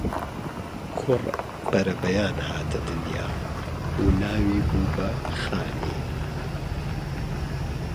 کوڕ بەرەبەیان هاتە دنیا و ناوی بوو بە خانی